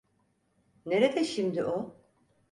Nerede şimdi o?